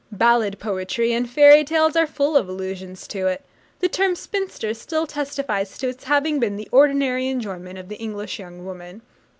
Ballad poetry and fairy tales are full of allusions to it. The term 'spinster' still testifies to its having been the ordinary employment of the English young woman.